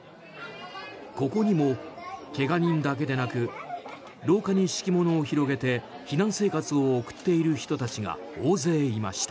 ここにも怪我人だけでなく廊下に敷物を広げて避難生活を送っている人たちが大勢いました。